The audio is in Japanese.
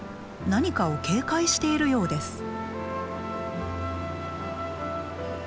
何かを警戒しているようです。